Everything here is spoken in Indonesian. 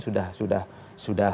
sudah sudah sudah